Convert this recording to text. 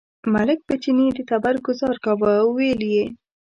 ملک په چیني د تبر ګوزار کاوه، ویل یې.